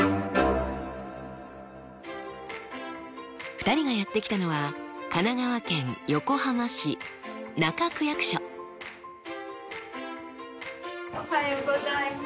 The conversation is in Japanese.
２人がやって来たのはおはようございます。